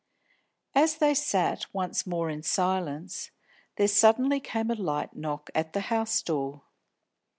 As they sat once more in silence, there suddenly came a light knock at the house door.